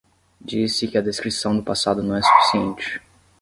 Diz-se que a descrição do passado não é suficiente